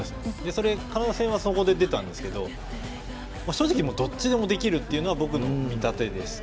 それカナダ戦はそこで出たんですけど正直どっちでもできるというのが僕の見立てです。